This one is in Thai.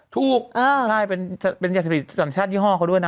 ถูกใช่เป็นยาเสพติดสัญชาติยี่ห้อเขาด้วยนะ